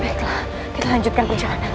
baiklah kita lanjutkan perjalanan